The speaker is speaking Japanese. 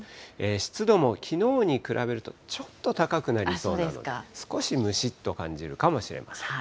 湿度もきのうに比べるとちょっと高くなりそうなので、少しむしっと感じるかもしれません。